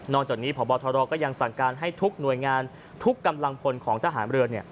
จากนี้พบทรก็ยังสั่งการให้ทุกหน่วยงานทุกกำลังพลของทหารเรือ